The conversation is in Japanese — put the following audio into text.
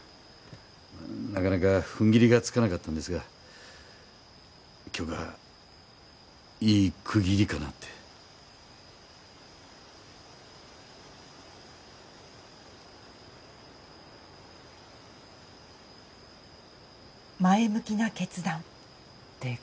なかなかふんぎりがつかなかったんですが今日がいい区切りかなって前向きな決断て